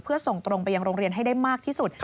เพื่อส่งตรงไปยังโรงเรียนให้ได้มากที่สุด